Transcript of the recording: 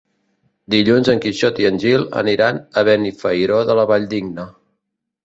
Dilluns en Quixot i en Gil aniran a Benifairó de la Valldigna.